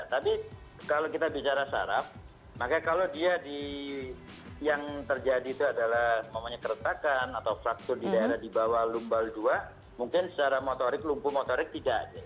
tapi kalau kita bicara saraf maka kalau dia yang terjadi itu adalah keretakan atau fraktur di daerah di bawah lumbal dua mungkin secara motorik lumpuh motorik tidak